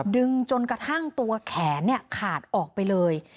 จนกระทั่งตัวแขนขาดออกไปเลย